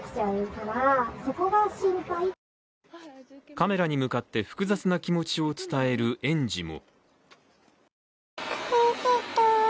カメラに向かって、複雑な気持ちを伝える園児も。